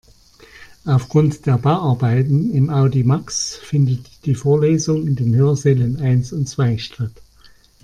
Aufgrund der Bauarbeiten im Audimax findet die Vorlesung in den Hörsälen eins und zwei statt.